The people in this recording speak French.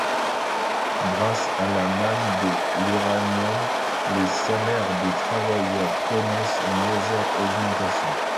Grâce à la manne de l'uranium, les salaires des travailleurs connaissent une légère augmentation.